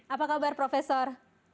apa kabar profesor